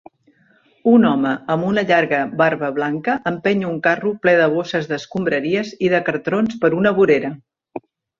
Un home amb una llarga barba blanca empeny un carro ple de bosses d'escombraries i de cartrons per una vorera